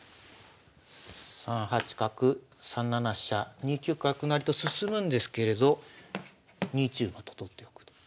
３八角３七飛車２九角成と進むんですけれど２一馬と取っておくと。